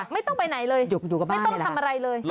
ไม่ต้องไปไหนเลยไม่ต้องทำอะไรเลย